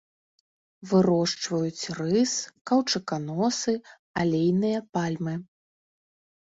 Вырошчваюць рыс, каўчуканосы, алейныя пальмы.